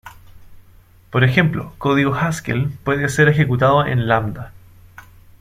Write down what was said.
Por ejemplo, código Haskell puede ser ejecutado en Lambda.